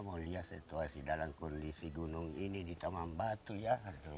mau lihat situasi dalam kondisi gunung ini di taman batu ya